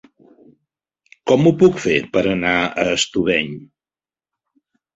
Com ho puc fer per anar a Estubeny?